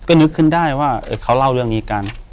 ก็นึกขึ้นได้ว่าเขาเล่าเรื่องนี้กัน